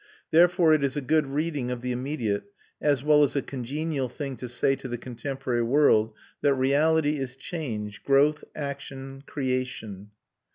Therefore it is a good reading of the immediate, as well as a congenial thing to say to the contemporary world, that reality is change, growth, action, creation.